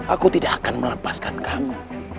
aku tidak akan melepaskan kamu